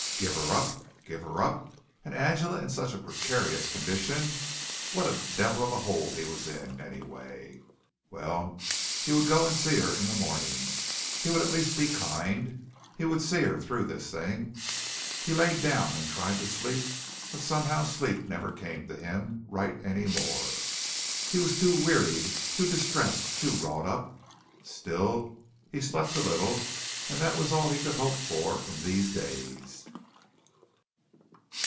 "Give her up! Give her up!" And Angela in such a precarious condition. What a devil of a hole he was in, anyway! Well, he would go and see her in the morning. He would at least be kind. He would see her through this thing. He lay down and tried to sleep, but somehow sleep never came to him right any more. He was too wearied, too distressed, too wrought up. [S]till he slept a little, and that was all he could hope for in these days.